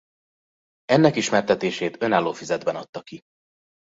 Ennek ismertetését önálló füzetben adta ki.